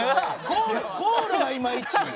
ゴールゴールがいまいち。